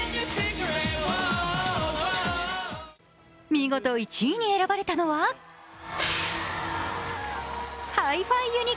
見事、１位に選ばれたのはＨｉ−ＦｉＵｎ！